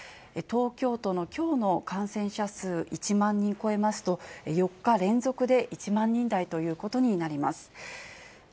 東京都のきょうの感染者数、１万人超えますと、４日連続で１万人台ということになります。